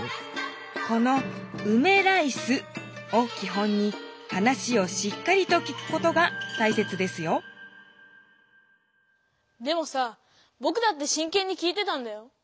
この「うめラいス」をき本に話をしっかりと聞くことが大切ですよでもさぼくだってしんけんに聞いてたんだよ。